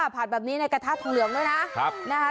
ผัดแบบนี้ในกระทะทองเหลืองด้วยนะ